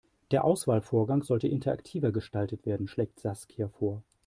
Der Auswahlvorgang sollte interaktiver gestaltet werden, schlägt Saskia vor.